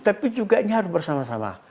tapi juga ini harus bersama sama